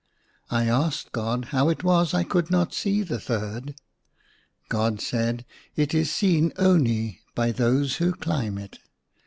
I asked God how it was I could not see the third. God said, "It is seen only by those who climb it."